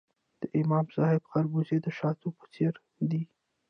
د امام صاحب خربوزې د شاتو په څیر دي.